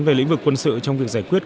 về lĩnh vực quân sự trong việc giải quyết